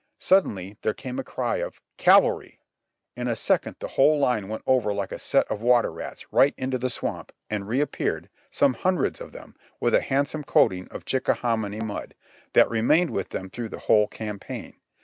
Suddenly there came a cry of "Cavalry!" In a second the whole line went over like a set of water rats, right into the swamp, and reappeared, some hun dreds of them, with a handsome coating of Chickahominy mud, that remained with them through the whole campaign.